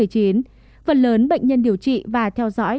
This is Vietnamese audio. phần lớn bệnh nhân điều trị và theo dõi